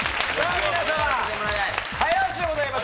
早押しでございます。